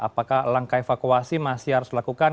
apakah langkah evakuasi masih harus dilakukan